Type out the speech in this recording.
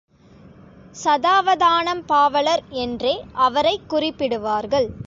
சதாவதானம் பாவலர் என்றே அவரைக் குறிப்பிடுவார்கள்.